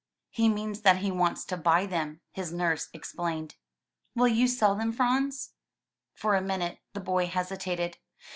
"He means that he wants to buy them," his nurse explained. "Will you sell them, Franz?" For a minute the boy hesitated.